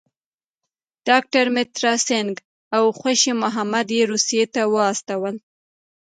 ډاکټر مترا سینګه او خوشي محمد روسیې ته واستول.